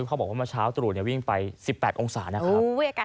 เขาบอกว่าเมื่อเช้าตรู่วิ่งไป๑๘องศานะครับ